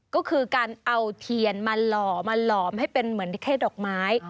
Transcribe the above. ก็คือการเอาเทียนมาหล่อมาหลอมให้เป็นเหมือนนิเทศดอกไม้